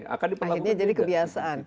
akhirnya jadi kebiasaan